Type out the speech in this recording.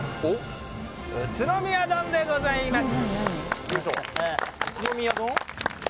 宇都宮丼でございます！